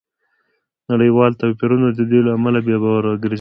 نړیوال توپیرونه د دې له امله بې باوره ګرځي